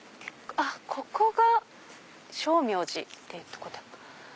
ここが称名寺っていうとこだ。